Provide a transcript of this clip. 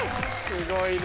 すごいね。